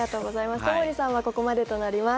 友利さんはここまでとなります。